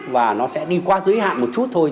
và nó sẽ đi qua giới hạn một chút thôi